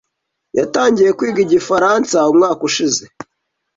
Yatangiye kwiga igifaransa umwaka ushize.